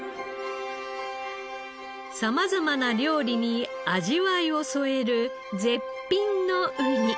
様々な料理に味わいを添える絶品のウニ。